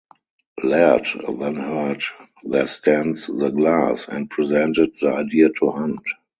Laird then heard "There Stands the Glass" and presented the idea to Hunt.